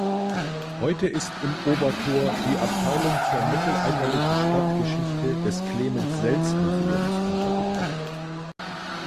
Heute ist im Obertor die Abteilung zur mittelalterlichen Stadtgeschichte des Clemens-Sels-Museums untergebracht.